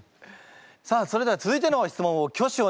さあそれでは続いての質問を挙手お願いします。